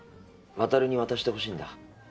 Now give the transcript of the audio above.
渉に渡してほしいんだ。